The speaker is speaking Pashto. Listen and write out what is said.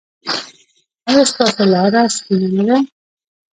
ایا ستاسو لاره سپینه نه ده؟